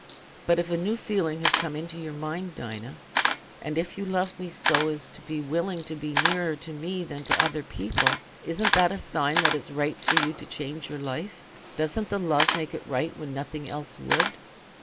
"But if a new feeling has come into your mind, Dinah, and if you love me so as to be willing to be nearer to me than to other people, isn't that a sign that it's right for you to change your life? Doesn't the love make it right when nothing else would?"